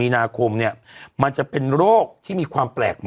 สมมัติครับ